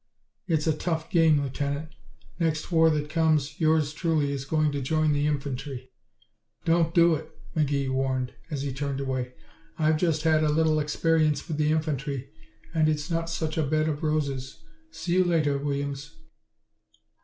It's a tough game, Lieutenant. Next war that comes yours truly is going to join the infantry." "Don't do it," McGee warned, as he turned away. "I've just had a little experience with the infantry and it's not such a bed of roses. See you later, Williams."